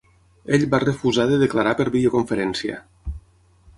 Ell va refusar de declarar per videoconferència.